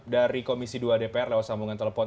dari komisi dua dpr lewat sambungan telepon